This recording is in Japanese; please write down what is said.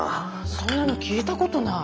そんなの聞いたことない。